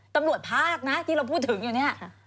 ตำรวจภาคนะที่เราพูดถึงอยู่เนี่ย